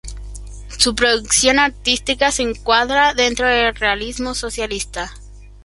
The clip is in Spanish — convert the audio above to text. Su producción artística se encuadra dentro del realismo socialista.